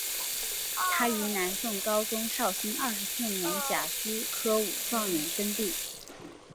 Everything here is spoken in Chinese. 他于南宋高宗绍兴二十四年甲戌科武状元登第。